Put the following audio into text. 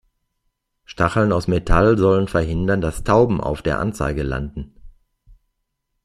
Stacheln aus Metall sollen verhindern, dass Tauben auf der Anzeige landen.